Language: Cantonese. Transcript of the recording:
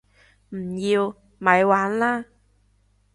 唔要！咪玩啦